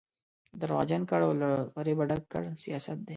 درواغجن ګړ او له فرېبه ډک کړ سیاست دی.